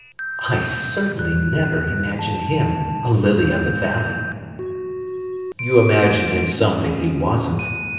"I certainly never imagined him a lily of the valley." "You imagined him something he wasn't.